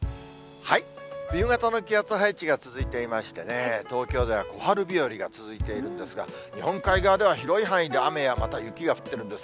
冬型の気圧配置が続いていましてね、東京では小春日和が続いているんですが、日本海側では広い範囲で、雨やまた雪が降ってるんです。